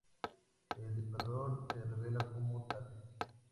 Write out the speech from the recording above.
El disparador se revela como Tate.